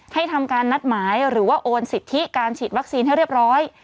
ทำการนัดหมายหรือว่าโอนสิทธิการฉีดวัคซีนให้เรียบร้อย